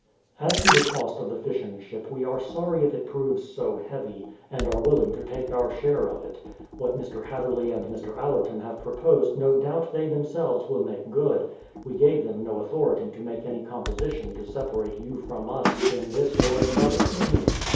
... As to the cost of the fishing ship we are sorry it proves so hea\'y, and are willing to take our share of it. What Mr. Hatherley and Mr. Allerton have proposed no doubt they themselves will make good; we gave them no authority to make any composition to separate j'ou from us in this or any other scheme.